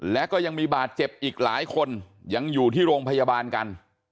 และก็ยังมีบาดเจ็บอีกหลายคนยังอยู่ที่โรงพยาบาลกัน